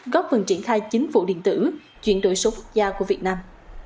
góp phần triển khai chính phủ điện tử chuyển đổi số quốc gia của việt nam